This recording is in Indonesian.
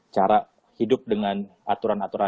cara hidup dengan aturan aturan